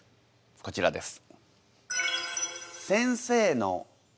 こちらです。